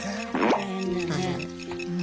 大変だね。